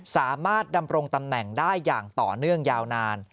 สามารถดำรงตำแหน่งได้อย่างต่อเนื่องยาวนาน